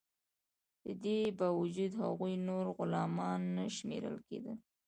د دې باوجود هغوی نور غلامان نه شمیرل کیدل.